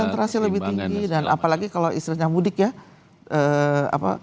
kontrasi lebih tinggi dan apalagi kalau istilahnya mudik ya